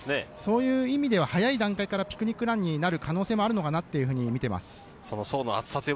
そういう意味では早い段階からピクニックランになるのかなと思います。